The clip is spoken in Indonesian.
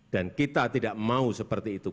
dan kita tidak mau seperti itu